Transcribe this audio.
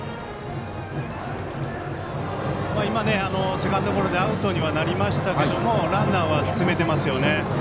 セカンドゴロでアウトにはなりましたけどランナーは進めてますよね。